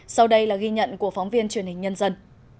sau đây là ghi nhận của phóng viên truyền hình nhân dân